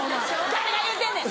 誰が言うてんねん！